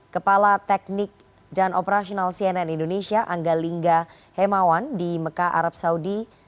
kepala teknik dan operasional cnn indonesia angga lingga hemawan di mekah arab saudi